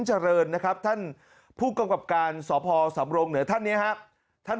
เจริญนะครับท่านผู้กำกับการสพสำรงเหนือท่านนี้ครับท่าน